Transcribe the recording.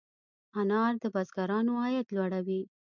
انار د بزګرانو عاید لوړوي.